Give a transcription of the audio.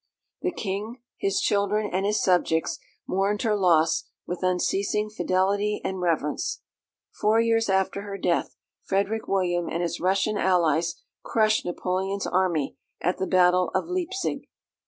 The King, his children, and his subjects mourned her loss with unceasing fidelity and reverence. Four years after her death, Frederick William and his Russian allies crushed Napoleon's army at the battle of Leipzig.